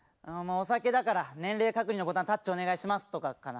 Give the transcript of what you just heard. お酒だから「年齢確認のボタンタッチお願いします」とかかな。